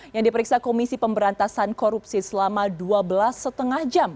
yang diperiksa komisi pemberantasan korupsi selama dua belas lima jam